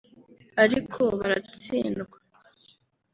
ariko baratsindwa